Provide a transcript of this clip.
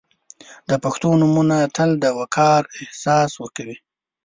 • د پښتو نومونه تل د وقار احساس ورکوي.